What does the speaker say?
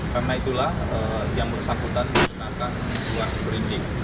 karena itulah yang bersangkutan menggunakan uang seberindik